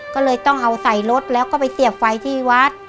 ก็เลยต้องเอาใส่รถแล้วก็ไปเสียบไฟที่วัด